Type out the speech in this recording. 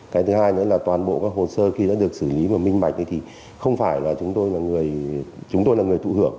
cái thứ hai nữa là toàn bộ các hồ sơ khi đã được xử lý và minh bạch thì không phải là chúng tôi là người tụ hưởng